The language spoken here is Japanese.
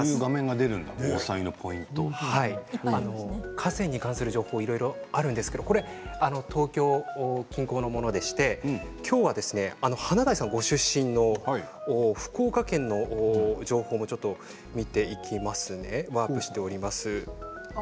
河川に関する情報がいろいろあるんですがこれは東京近郊のものでして今日は華大さんご出身の福岡県の情報も見ていきますね。